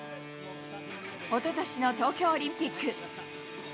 おととしの東京オリンピック。